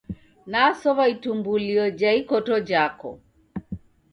Nasow'a itumbulio jha ikoto jhako